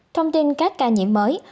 thông tin các ca nhiễm mới